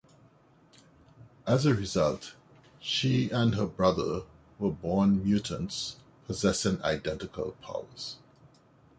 As a result, she and her brother were born mutants, possessing identical powers.